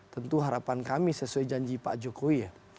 tentu harapan kami sesuai janji pak jokowi ya